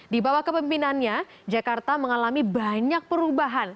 di bawah kepemimpinannya jakarta mengalami banyak perubahan